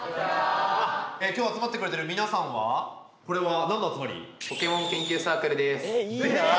きょう集まってくれてる皆さんはこれは何の集まり？えいいなあ。